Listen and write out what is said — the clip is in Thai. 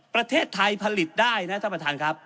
ประเทศไทยผลิตได้นะท่านประธานครับ